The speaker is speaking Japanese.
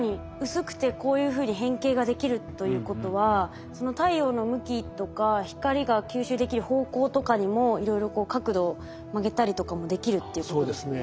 薄くてこういうふうに変形ができるということはその太陽の向きとか光が吸収できる方向とかにもいろいろ角度曲げたりとかもできるっていうことですね。